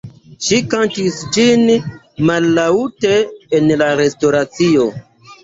Ŝi kantis ĝin mallaŭte en la restoracio.